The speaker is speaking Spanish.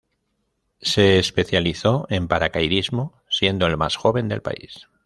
Se especializó en paracaidismo, siendo el más joven del país.